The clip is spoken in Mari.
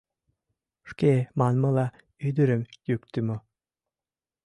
Шке манмыла, ӱдырым йӱктымӧ.